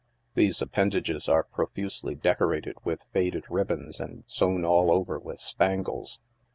These appendages are profusely decorated with faded ribbons and sown all over with spangles.